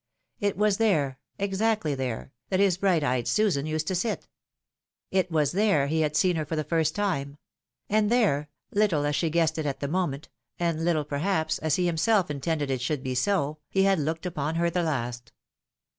It was there, exactly there, that his bright eyed Susan used to sit ; it was there he had seen her for the first time ; and there, little as she guessed it at the moment, and httle, perhaps, as he himself 94 THE WIDOW MAEEIED. intended it should be so, he had looked upon her the last.